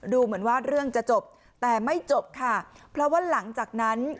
ดูเหมือนว่าเรื่องจะจบแต่ไม่จบค่ะเพราะว่าหลังจากนั้น